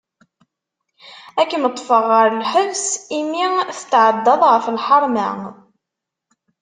Ad kem-ṭfeɣ ɣer lḥebs imi tetɛeddaḍ ɣef lḥarma.